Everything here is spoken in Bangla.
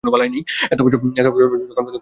এতো বছর পর যখন মা হচ্ছে, তখন ভাগ্য দেখো তার।